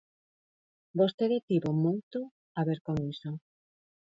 Vostede tivo moito a ver con iso.